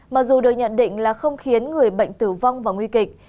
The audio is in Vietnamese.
mặc dù được nhận định là không khiến người bệnh tử vong và nguy kịch